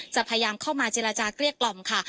จะพยายามเข้ามาเจรจาเกลี้ยกล่อมค่ะ